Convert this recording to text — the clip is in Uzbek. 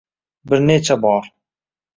bir necha bor